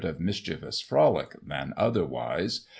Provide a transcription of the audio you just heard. [1843 of mischievous frolic than otherwise.